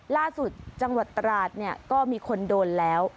ล่าสุดจังหวัดตราดเนี่ยก็มีคนโดนแล้ว